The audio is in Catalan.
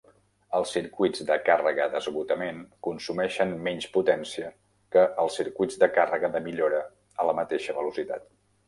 Els circuits de càrrega d'esgotament consumeixen menys potència que els circuits de càrrega de millora a la mateixa velocitat.